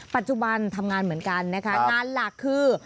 ปัจจุบันทำงานเหมือนกันนะคะงานหลักคือ